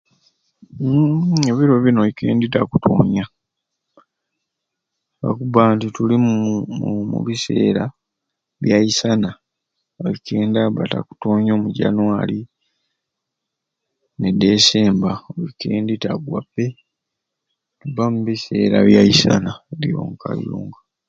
Mmmm ebiro bini oikendi takutonya lwakuba nti tuli mu mubiseera bya isana oikendi aba takutonya omu january ne fecember oikendi tagwa be tuba mubiseera bya isaana lyonkai lyonkai.